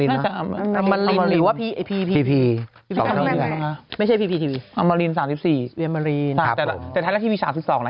ที่มีพลอยมีพี่แก้มแล้วมีใครอีกคนหนึ่งนะ